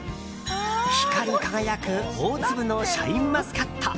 光り輝く大粒のシャインマスカット。